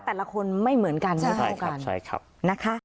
แต่ละคนไม่เหมือนกัน